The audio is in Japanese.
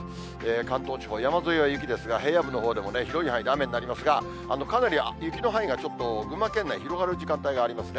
関東地方、山沿いは雪ですが、平野部のほうでも広い範囲で雨になりますが、かなり雪の範囲がちょっと、群馬県内、広がる時間帯がありますね。